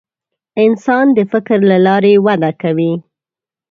انسان د فکر له لارې وده کوي.